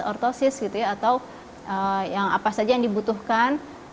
ortosis gitu ya atau yang apa saja yang dibutuhkan